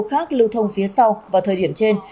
khác lưu thông phía sau và thời điểm trên